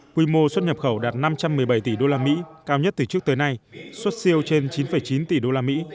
quy mô xuất nhập khẩu đạt năm trăm một mươi bảy tỷ usd cao nhất từ trước tới nay xuất siêu trên chín chín tỷ usd